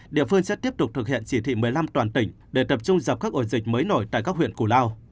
địa phương sẽ tiếp tục thực hiện chỉ thị một mươi năm toàn tỉnh để tập trung dập các ổ dịch mới nổi tại các huyện củ lao